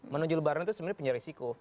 menuju lebaran itu sebenarnya punya risiko